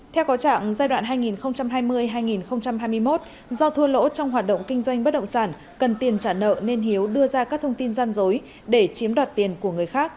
theo có trạng giai đoạn hai nghìn hai mươi hai nghìn hai mươi một do thua lỗ trong hoạt động kinh doanh bất động sản cần tiền trả nợ nên hiếu đưa ra các thông tin gian dối để chiếm đoạt tiền của người khác